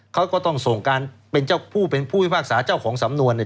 เขาก็ต้องส่งการเป็นเจ้าผู้เป็นผู้พิพากษาเจ้าของสำนวนเนี่ย